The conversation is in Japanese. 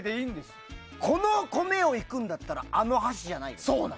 この米をいくんだったらあの箸じゃないよ。